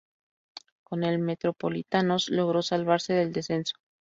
Con el Metropolitanos, logró salvarse del descenso.